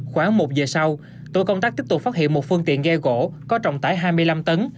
khoảng một giờ sau tổ công tác tiếp tục phát hiện một phương tiện ghe gỗ có trọng tải hai mươi năm tấn